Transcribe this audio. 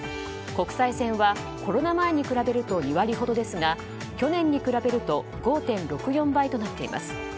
国際線はコロナ前に比べると２割ほどですが去年に比べると５．６４倍となっています。